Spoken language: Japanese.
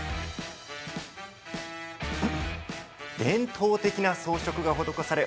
伝統的な装飾が施され